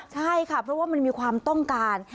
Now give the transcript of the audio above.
ใช่ค่ะเพราะว่ามันมีความต้องการ